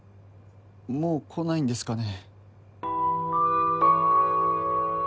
もう来ないんですかね？